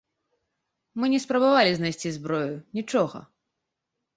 Мы не спрабавалі знайсці зброю, нічога.